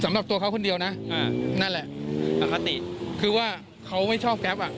สำหรับตัวเขาคนเดียวนะอ่านั่นแหละอคติคือว่าเขาไม่ชอบแก๊ปอ่ะ